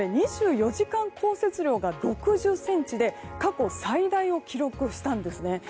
２４時間降雪量が６０ｃｍで過去最大を記録したんですね。